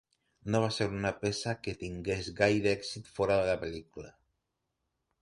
No va ser una peça que tingués gaire èxit fora de la pel·lícula.